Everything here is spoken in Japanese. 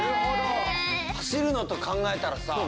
走るのと考えたらさ。